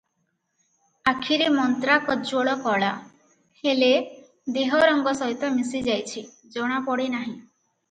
ଆଖିରେ ମନ୍ତ୍ରା କଜ୍ୱଳ କଳା, ହେଲେ ଦେହ ରଙ୍ଗ ସହିତ ମିଶି ଯାଇଛି, ଜଣା ପଡ଼େ ନାହିଁ ।